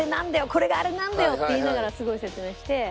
これがあれなんだよ！って言いながらすごい説明して。